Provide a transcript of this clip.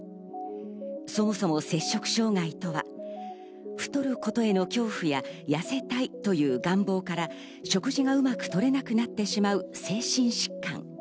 そもそも摂食障害とは太ることへの恐怖や、痩せたいという願望から食事がうまくとれなくなってしまう精神疾患。